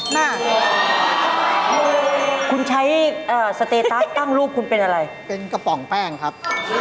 หน้าคุณใช้สเตตัสตั้งรูปคุณเป็นอะไรเป็นกระป๋องแป้งครับ